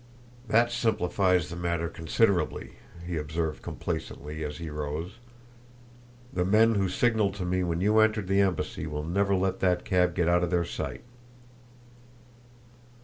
"That simplifies the matter considerably," he observed complacently, as he rose. "The men who signaled to me when you entered the embassy will never let that cab get out of their sight."